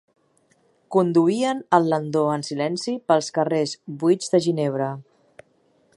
Conduïen el landó en silenci pels carrers buits de Ginebra.